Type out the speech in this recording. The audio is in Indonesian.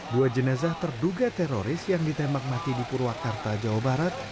dua jenazah terduga teroris yang ditembak mati di purwakarta jawa barat